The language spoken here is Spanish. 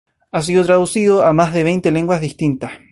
Ha sido traducido a más de veinte lenguas distintas.